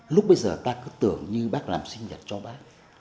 lúc bây giờ ta cứ tưởng như bác làm sinh nhật cho bác